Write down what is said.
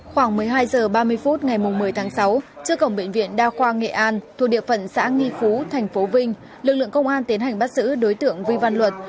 khoảng một mươi hai h ba mươi phút ngày một mươi tháng sáu trước cổng bệnh viện đa khoa nghệ an thuộc địa phận xã nghi phú thành phố vinh lực lượng công an tiến hành bắt giữ đối tượng vi văn luật